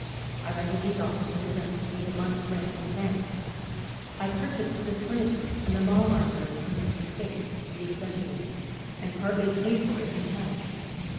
I rented these offices and paid a month's rent in advance. I purchased this furniture and the law library from Mr. Spaythe, the executor, and partly paid for it in cash.